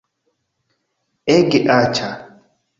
Ege aĉa